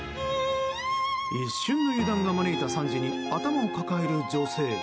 一瞬の油断が招いた惨事に頭を抱える女性。